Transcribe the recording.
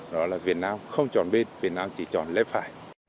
đó là việt nam không chọn bên việt nam chỉ chọn lép phải